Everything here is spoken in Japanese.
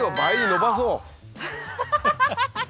ハハハハ！